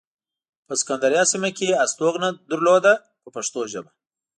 په سکندریه سیمه کې یې استوګنه لرله په پښتو ژبه.